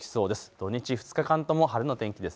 土日２日間とも晴れの天気です。